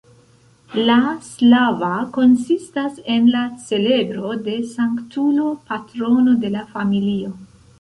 La "slava" konsistas en la celebro de sanktulo patrono de la familio.